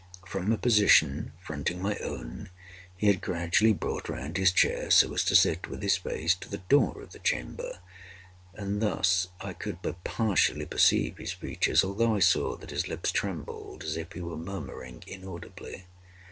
From a position fronting my own, he had gradually brought round his chair, so as to sit with his face to the door of the chamber; and thus I could but partially perceive his features, although I saw that his lips trembled as if he were murmuring inaudibly.